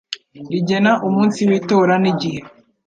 rigena umunsi w itora n igihe